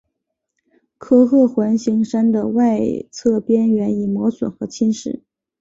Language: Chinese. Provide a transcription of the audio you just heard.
科赫环形山的外侧边缘已磨损和侵蚀。